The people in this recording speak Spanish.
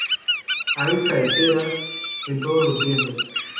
Hay saeteras en todos los lienzos.